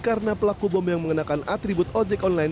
karena pelaku bom yang mengenakan atribut ojek online